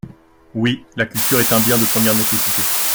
Oui, la culture est un bien de première nécessité.